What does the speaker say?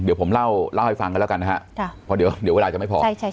เดี๋ยวผมเล่าให้ฟังกันแล้วกันนะฮะเพราะเดี๋ยวเวลาจะไม่พอ